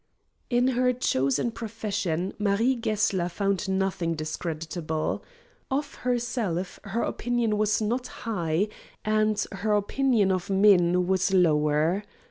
In her chosen profession Marie Gessler found nothing discreditable. Of herself her opinion was not high, and her opinion of men was lower.